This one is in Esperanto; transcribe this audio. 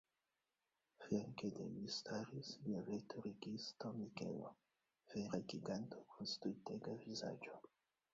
Flanke de li staris lia veturigisto Mikelo, vera giganto kun stultega vizaĝo.